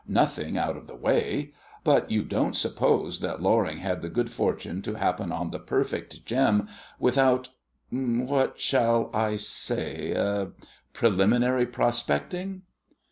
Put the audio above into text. "Nothing out of the way. But you don't suppose that Loring had the good fortune to happen on the perfect gem without what shall I say? preliminary prospecting?"